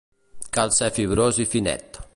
Cal ser fibrós i finet.